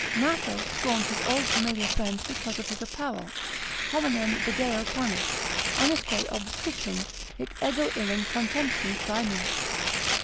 Gnatho scorned his old familiar friend because of his apparel, Hominem video pannis, annisque obsitum, hic ego illum contempsi prae me.